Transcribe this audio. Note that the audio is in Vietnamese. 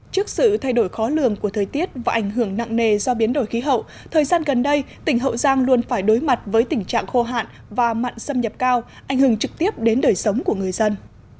trước sự thay đổi khó lường của thời tiết và ảnh hưởng nặng nề do biến đổi khí hậu thời gian gần đây tỉnh hậu giang luôn phải đối mặt với tình trạng khô hạn và mặn xâm nhập cao ảnh hưởng trực tiếp đến đời sống của người dân